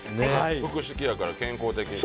腹式やから健康的。